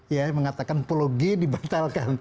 ya mengatakan prologi dibatalkan